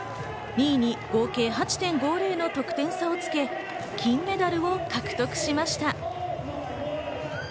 ２位に合計８．５０の得点差をつけ、金メダルを獲得しました。